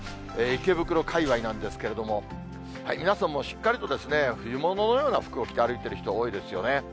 池袋界隈なんですけれども、皆さんもうしっかりと冬物のような服を着て歩いている人、多いですよね。